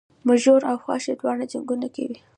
مږور او خواښې دواړه جنګونه کوي